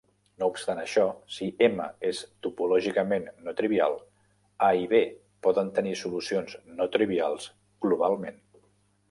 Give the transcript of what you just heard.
No obstant això, si M és topològicament no trivial, A i B poden tenir solucions no-trivials globalment.